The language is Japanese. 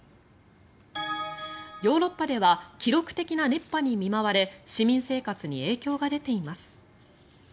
ヨーロッパでは記録的な熱波に見舞われ市民生活に影響が出ています。